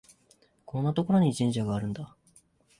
こんなところに神社があるんだ